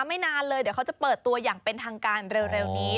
ไม่นานเลยเดี๋ยวเขาจะเปิดตัวอย่างเป็นทางการเร็วนี้